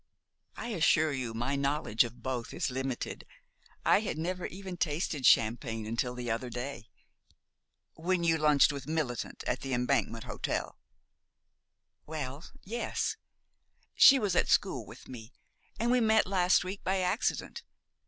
"I assure you my knowledge of both is limited. I had never even tasted champagne until the other day." "When you lunched with Millicent at the Embankment Hotel?" "Well yes. She was at school with me, and we met last week by accident.